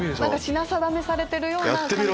品定めされてるような感覚。